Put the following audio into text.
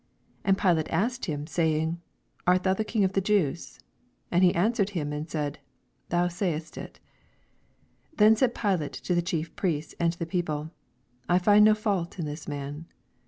8 And Pilate asKed him, saying. Aft thou the King of the Jews? And he answered him and said, Thou Bayest it, 4 Then said Pilate to the Chief Priests and to the people, I find no fault in this man.